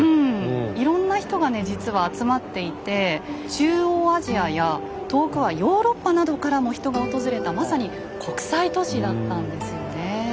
いろんな人がね実は集まっていて中央アジアや遠くはヨーロッパなどからも人が訪れたまさに国際都市だったんですよね。